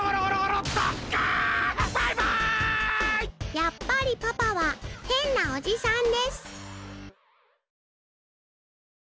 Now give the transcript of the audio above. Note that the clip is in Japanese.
やっぱりパパはへんなおじさんです。